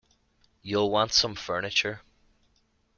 You’ll want some furniture.